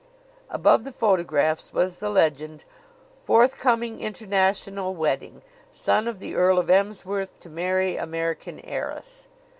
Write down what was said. Above the photographs was the legend: "Forthcoming International Wedding. Son of the Earl of Emsworth to marry American heiress."